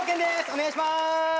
お願いします！